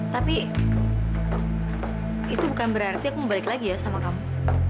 tapi itu bukan berarti aku balik lagi ya sama kamu